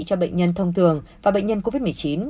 cho bệnh nhân thông thường và bệnh nhân covid một mươi chín